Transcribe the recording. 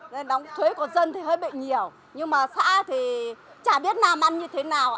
nên đóng thuế của dân thì hơi bệ nhiều nhưng mà xã thì chả biết làm ăn như thế nào ạ